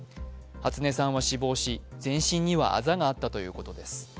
初音さんは死亡し全身にはあざがあったということです。